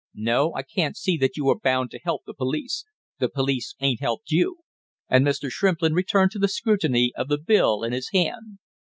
No, I can't see that you are bound to help the police; the police ain't helped you." And Mr. Shrimplin returned to the scrutiny of the bill in his hand.